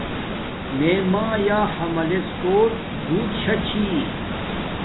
میے مایآ حملڎ کوٹ بوت شاہ چھی